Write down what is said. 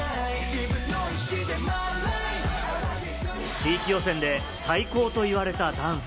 地域予選で最高と言われたダンス。